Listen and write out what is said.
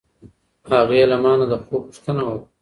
هغې له ما نه د خوب پوښتنه وکړه.